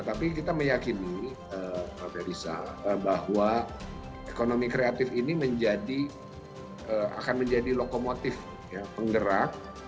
tapi kita meyakini pak ferdisa bahwa ekonomi kreatif ini akan menjadi lokomotif penggerak